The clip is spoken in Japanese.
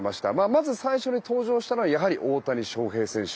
まず最初に登場したのはやはり大谷翔平選手。